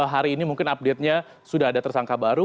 hari ini mungkin update nya sudah ada tersangka baru